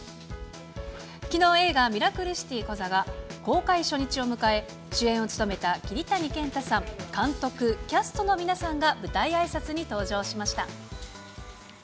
きのう、映画、ミラクルシティコザは公開初日を迎え、主演を務めた桐谷健太さん、監督、キャストの皆さんが舞台あいさつに登場しました。